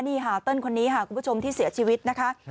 นี่ค่ะเติ้ลคนนี้ค่ะคุณผู้ชมที่เสียชีวิตนะคะ